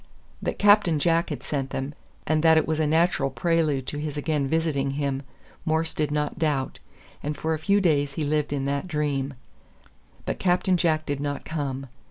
That Captain Jack sent them, and that it was a natural prelude to his again visiting him, Morse did not doubt, and for a few days he lived in that dream. But Captain Jack did not come.